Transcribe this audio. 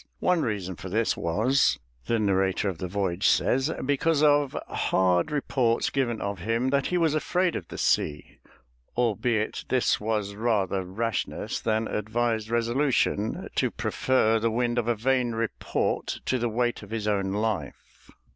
One reason for this was, the narrator of the voyage says, because of "hard reports given of him that he was afraid of the sea, albeit this was rather rashness than advised resolution, to prefer the wind of a vain report to the weight of his own life."